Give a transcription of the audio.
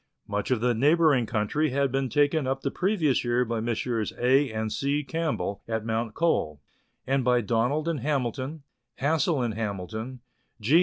Much of the neighbouring country had been taken up the previous year by Messrs. A. and C. Campbell at Mount Cole ; and by Donald and Hamilton, Hassell and Hamilton, G